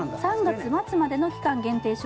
３月末までの期間限定